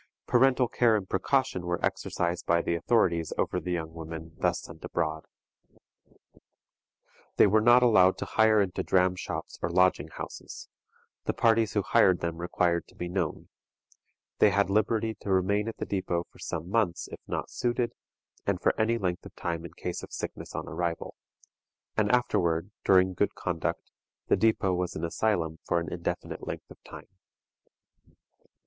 Parental care and precaution were exercised by the authorities over the young women thus sent abroad. They were not allowed to hire into dram shops or lodging houses: the parties who hired them required to be known: they had liberty to remain at the depôt for some months if not suited, and for any length of time in case of sickness on arrival; and afterward, during good conduct, the depôt was an asylum for an indefinite length of time.